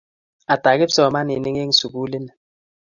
Ata kipsomaninik eng' sukuli ni?